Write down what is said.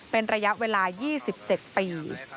เป็นระยะเวลา๒๗ปี